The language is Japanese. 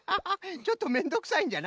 ちょっとめんどくさいんじゃな。